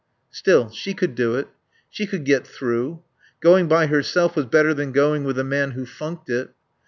Still, she could do it. She could get through. Going by herself was better than going with a man who funked it.